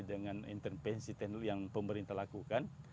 dengan intervensi teknologi yang pemerintah lakukan